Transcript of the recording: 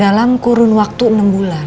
dalam kurun waktu enam bulan